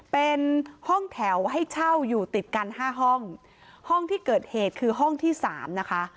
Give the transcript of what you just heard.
เป็นห้องแถวให้เช่าอยู่ติดกันห้าห้องห้องที่เกิดเหตุคือห้องที่สามนะคะ